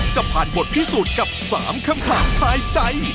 จะผ่านบทพิสูจน์กับ๓คำถามทายใจ